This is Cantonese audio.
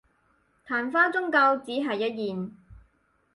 曇花終究只係一現